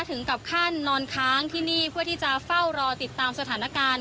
ถึงขั้นนอนค้างที่นี่เพื่อที่จะเฝ้ารอติดตามสถานการณ์